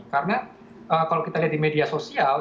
karena kalau kita lihat di media sosial